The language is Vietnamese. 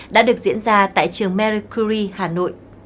đã được diễn ra tại trường mercury hà nội